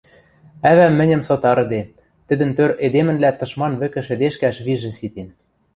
ӓвӓм мӹньӹм сотарыде, тӹдӹн тӧр эдемӹнлӓ тышман вӹкӹ шӹдешкӓш вижӹ ситен.